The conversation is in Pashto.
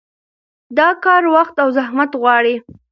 دا کار وخت او زحمت غواړي.